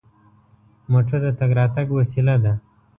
موټر د تګ راتګ وسیله ده.